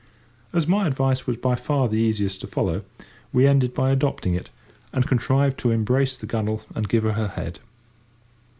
As my advice was by far the easiest to follow, we ended by adopting it, and contrived to embrace the gunwale and give her her head.